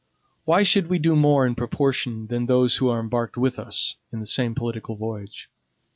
Why should we do more in proportion than those who are embarked with us in the same political voyage?